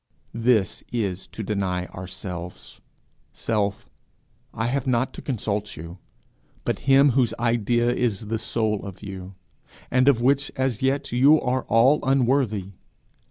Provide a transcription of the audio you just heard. This is to deny ourselves. 'Self, I have not to consult you, but him whose idea is the soul of you, and of which as yet you are all unworthy.